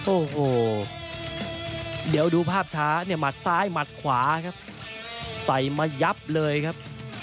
โอ้โหเดี๋ยวดูภาพช้าเนี่ยหมัดซ้ายหมัดขวาครับใส่มายับเลยครับ